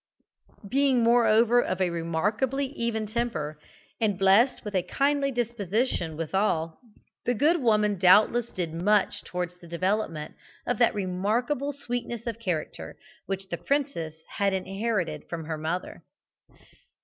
Being moreover of a remarkably even temper, and blessed with a kindly disposition withal, the good woman doubtless did much towards the development of that remarkable sweetness of character, which the princess had inherited from her mother.